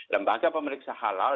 lembaga pemeriksa halal